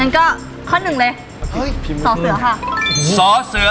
ก็ข้อหนึ่งเลย